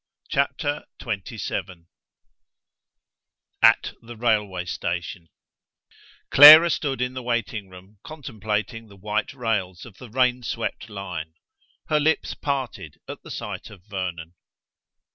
CHAPTER XXVII AT THE RAILWAY STATION Clara stood in the waiting room contemplating the white rails of the rain swept line. Her lips parted at the sight of Vernon.